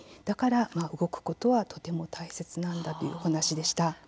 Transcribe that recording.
だから動くことはとても大切なんだというお話でした。